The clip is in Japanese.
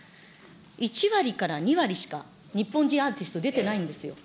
１割から２割しか日本人アーティスト出てないんですよ。